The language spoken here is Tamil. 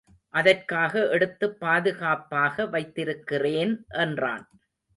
அதற்காக எடுத்துப் பாதுகாப்பாக வைத்திருக்கிறேன் என்றான்.